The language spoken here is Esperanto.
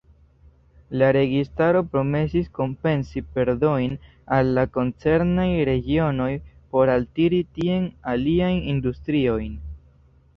La registaro promesis kompensi perdojn al la koncernaj regionoj por altiri tien aliajn industriojn.